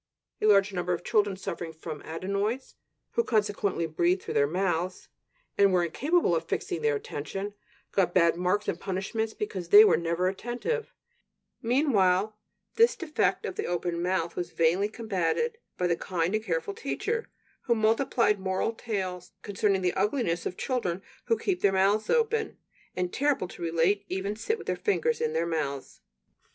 A large number of children suffering from adenoids, who consequently breathed through their mouths, and were incapable of fixing their attention, got bad marks and punishments because they were never attentive; meanwhile this defect of the open mouth was vainly combated by the kind and careful teacher, who multiplied moral tales concerning the ugliness of children who keep their mouths open, and, terrible to relate, even sit with their fingers in their mouths!